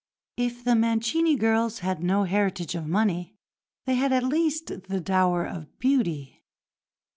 If the Mancini girls had no heritage of money, they had at least the dower of beauty.